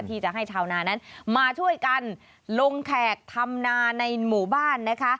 ที่จะให้ชาวนานั้นมาช่วยกันลงแขกทำนาในหมู่บ้านนะคะ